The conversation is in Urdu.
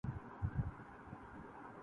ڈھانپا کفن نے داغِ عیوبِ برہنگی